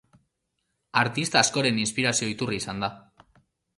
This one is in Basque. Artista askoren inspirazio iturri izan da.